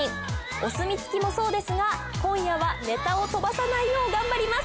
お墨付きもそうですが今夜はネタを飛ばさないよう頑張ります。